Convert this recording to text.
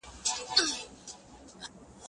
کتاب وليکه!.